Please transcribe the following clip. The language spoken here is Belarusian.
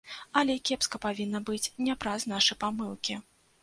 Але кепска павінна быць не праз нашы памылкі.